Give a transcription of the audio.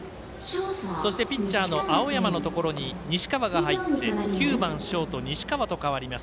そしてピッチャーの青山のところに西岡が入って９番ショート、西川と変わります